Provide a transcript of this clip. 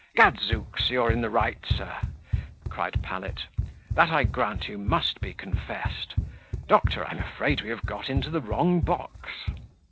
"Gadzooks, you're in the right, sir!" cried Pallet; "that, I grant you, must be confessed: doctor, I'm afraid we have got into the wrong box."